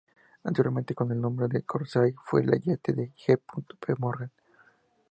Anteriormente, con el nombre de "Corsair", fue el yate de J. P. Morgan.